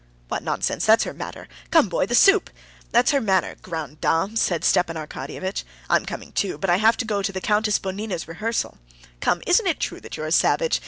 "What nonsense! That's her manner.... Come, boy, the soup!... That's her manner—grande dame," said Stepan Arkadyevitch. "I'm coming, too, but I have to go to the Countess Bonina's rehearsal. Come, isn't it true that you're a savage?